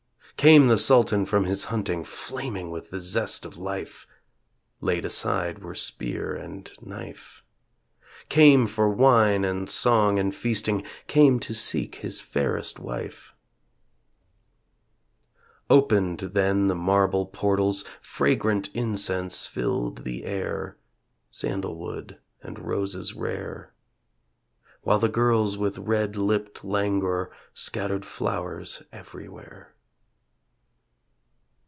Came the Sultan from his hunting Flaming with the zest of life; (Laid aside were spear and knife) Came for wine and song and feasting, Came to seek his fairest wife. Opened then the marble portals. Fragrant incense filled the air, (Sandalwood and roses rare) While the girls with red lipped languor Scattered flowers everywhere.